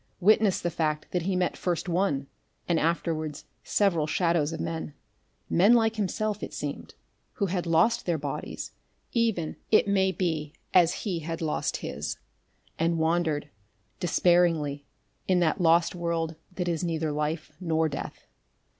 Witness the fact that he met first one, and afterwards several shadows of men, men like himself, it seemed, who had lost their bodies even it may be as he had lost his, and wandered, despairingly, in that lost world that is neither life nor death.